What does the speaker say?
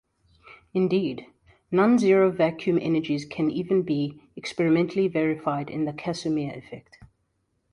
Indeed, nonzero vacuum energies can even be experimentally verified in the Casimir effect.